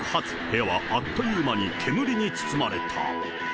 部屋はあっという間に煙に包まれた。